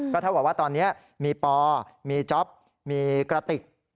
เท่ากับว่าตอนนี้มีปอมีจ๊อปมีกระติก